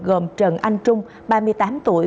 gồm trần anh trung ba mươi tám tuổi